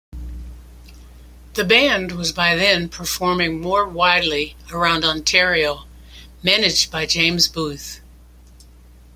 The band was by then performing more widely around Ontario, managed by James Booth.